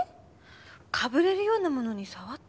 かぶれるようなものに触ったかなあ？